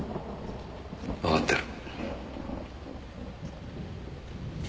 わかってる。